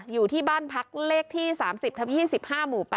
อยู่ที่บ้านพักเลขที่๓๐ทับ๒๕หมู่๘